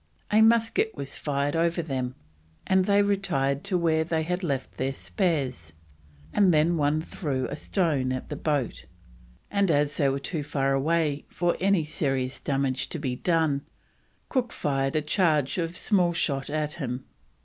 A musket was fired over them, and they retired to where they had left their spears, and then one threw a stone at the boat, and as they were too far away for any serious damage to be done, Cook fired a charge of small shot at him.